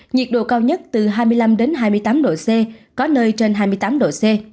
nhiệt độ cao nhất từ hai mươi năm hai mươi tám độ c có nơi trên hai mươi tám độ c